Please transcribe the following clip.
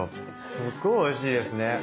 すっごいおいしいですね。